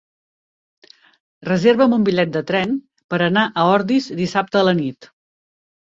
Reserva'm un bitllet de tren per anar a Ordis dissabte a la nit.